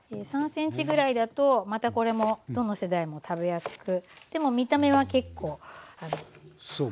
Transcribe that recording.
３ｃｍぐらいだとまたこれもどの世代も食べやすくでも見た目は結構あの。